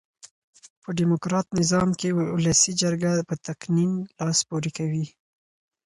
په ډیموکرات نظام کښي اولسي جرګه په تقنين لاس پوري کوي.